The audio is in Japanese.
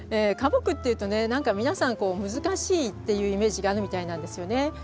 花木っていうとね何か皆さんこう難しいっていうイメージがあるみたいなんですよね。